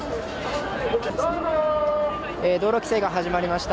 道路規制が始まりました。